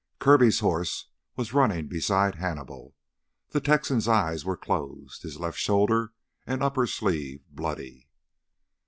Kirby's horse was running beside Hannibal. The Texan's eyes were closed, his left shoulder and upper sleeve bloody.